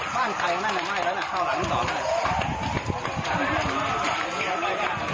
บ้านใครอ่ะนั่นไม่ไหมเหอะนะเข้าหลังน่ะ